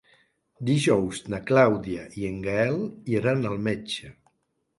Dijous na Clàudia i en Gaël iran al metge.